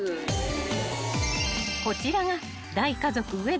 ［こちらが］